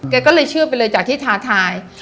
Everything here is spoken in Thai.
แกก็เลยเชื่อไปเลยจากที่ท้าทาย